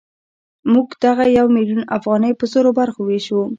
موږ دغه یو میلیون افغانۍ په زرو برخو وېشو